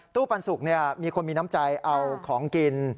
ปันสุกมีคนมีน้ำใจเอาของกิน